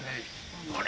あれ？